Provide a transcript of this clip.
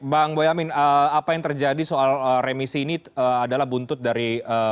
bang boyamin apa yang terjadi soal remisi ini adalah buntut dari